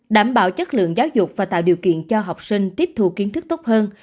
đảm bảo chất lượng giáo dục và tạo điều kiện cho học sinh tiếp thu kiến thức tốt hơn